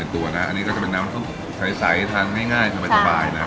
ความของชออยุที่สไอใสทำได้ง่ายทำได้สบาย